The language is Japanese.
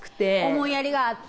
思いやりがあって。